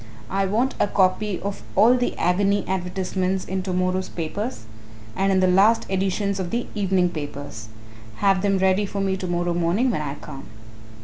"I want a copy of all the agony advertisements in to morrow's papers and in the last editions of the evening papers have them ready for me tomorrow morning when I come."